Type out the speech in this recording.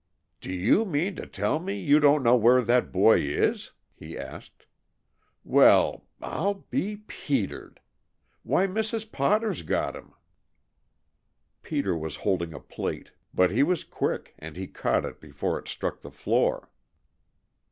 "Do you mean to tell me you don't know where that boy is?" he asked. "Well I'll be Petered! Why, Mrs. Potter's got him!" Peter was holding a plate, but he was quick, and he caught it before it struck the floor.